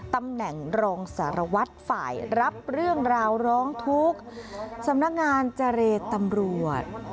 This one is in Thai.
ตำแหน่งรองสารวัตรฝ่ายรับเรื่องราวร้องทุกข์สำนักงานเจรตำรวจ